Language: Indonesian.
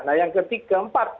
nah yang ketiga empat